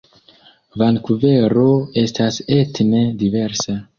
Vankuvero estas etne diversa.